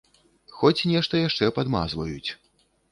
Хоць нешта яшчэ падмазваюць.